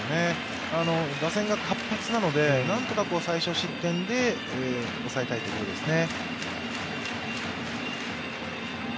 打線が活発なのでなんとか最少失点で抑えたいところですね。